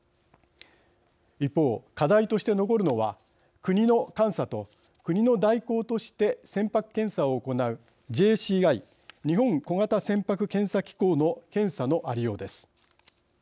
一方、課題として残るのは国の監査と国の代行として船舶検査を行うＪＣＩ＝日本小型船舶検査機構の検査のありようです。